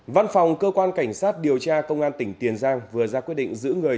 văn phòng cơ quan cảnh sát điều tra công an tỉnh tiền giang vừa ra quyết định giữ người